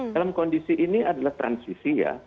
dalam kondisi ini adalah transisi ya